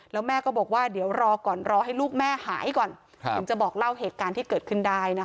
แล้วแม่ก็บอกว่าเดี๋ยวรอก่อนรอให้ลูกแม่หายก่อนถึงจะบอกเล่าเหตุการณ์ที่เกิดขึ้นได้นะคะ